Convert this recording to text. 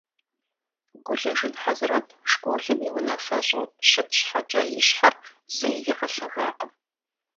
Гулэжын Хьэзрэт школым и унафэщӏу щыт щхьэкӏэ и щхьэр зэи игъэлъэгакъым.